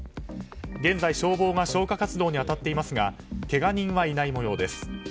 現在、消防が消火活動に当たっていますがけが人はいない模様です。